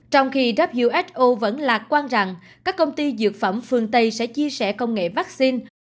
trong khi who vẫn lạc quan rằng các công ty dược phẩm phương tây sẽ chia sẻ công nghệ vaccine